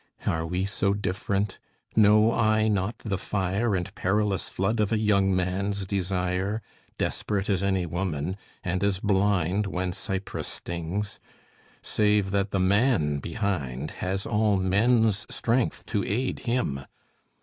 Are we so different? Know I not the fire And perilous flood of a young man's desire, Desperate as any woman, and as blind, When Cypris stings? Save that the man behind Has all men's strength to aid him.